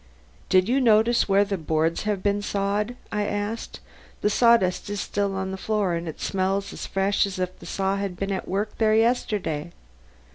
"Did you notice where the boards had been sawed?" I asked. "The sawdust is still on the floor, and it smells as fresh as if the saw had been at work there yesterday."